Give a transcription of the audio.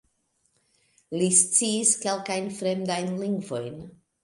Li sciis kelkajn fremdajn lingvojn.